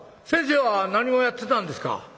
「先生は何をやってたんですか？」。